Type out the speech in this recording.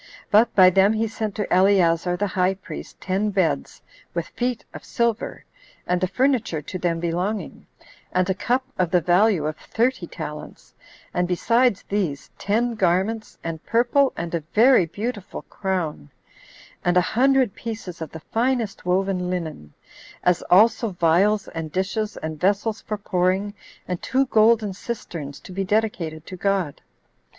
But by them he sent to Eleazar the high priest ten beds, with feet of silver, and the furniture to them belonging, and a cup of the value of thirty talents; and besides these, ten garments, and purple, and a very beautiful crown, and a hundred pieces of the finest woven linen; as also vials and dishes, and vessels for pouring, and two golden cisterns to be dedicated to God.